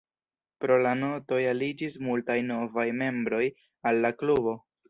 Pro la Notoj aliĝis multaj novaj membroj al la klubo.